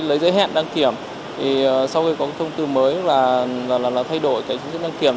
lấy giấy hẹn đăng kiểm sau khi có thông tư mới là thay đổi cái chính sách đăng kiểm